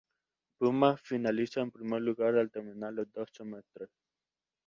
Pumas finaliza en primer lugar al terminar los dos semestres.